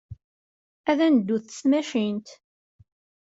Ad neddut s tmacint.